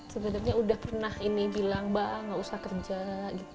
sebenarnya udah pernah ini bilang mbak nggak usah kerja